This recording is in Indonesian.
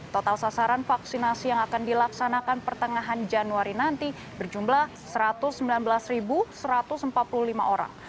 total sasaran vaksinasi yang akan dilaksanakan pertengahan januari nanti berjumlah satu ratus sembilan belas satu ratus empat puluh lima orang